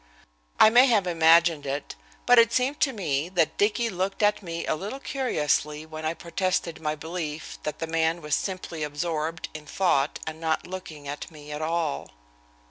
I may have imagined it, but it seemed to me that Dicky looked at me a little curiously when I protested my belief that the man was simply absorbed in thought and not looking at me at all.